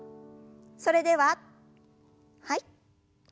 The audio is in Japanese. それでははい。